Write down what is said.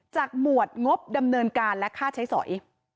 หมวดงบดำเนินการและค่าใช้สอย